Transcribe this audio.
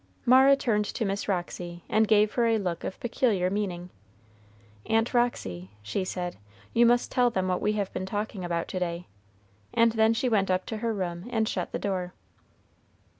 Mara turned to Miss Roxy, and gave her a look of peculiar meaning. "Aunt Roxy," she said, "you must tell them what we have been talking about to day;" and then she went up to her room and shut the door.